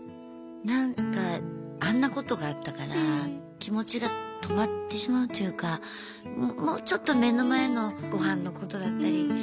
なんかあんなことがあったから気持ちが止まってしまうというかもうちょっと目の前の御飯のことだったり